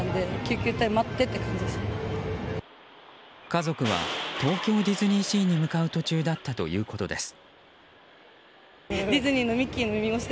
家族は東京ディズニーシーに向かう途中だったということです。